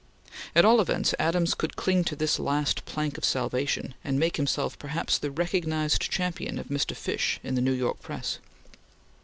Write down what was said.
At all events, Adams could cling to this last plank of salvation, and make himself perhaps the recognized champion of Mr. Fish in the New York press.